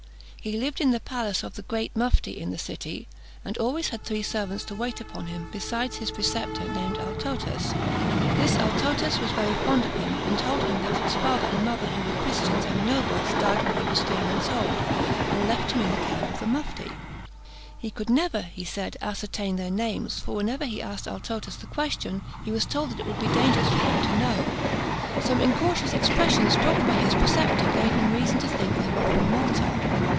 He lived in the palace of the Great Muphti in that city, and always had three servants to wait upon him, besides his preceptor, named Althotas. This Althotas was very fond of him, and told him that his father and mother, who were Christians and nobles, died when he was three months old, and left him in the care of the Muphti. He could never, he said, ascertain their names, for whenever he asked Althotas the question, he was told that it would be dangerous for him to know. Some incautious expressions dropped by his preceptor gave him reason to think they were from Malta.